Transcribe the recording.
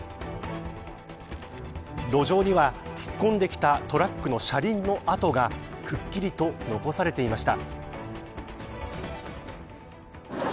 路上には突っ込んできたトラックの車輪の跡がくっきりと残されていました。